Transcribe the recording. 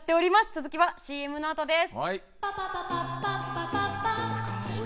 続きはＣＭのあとです。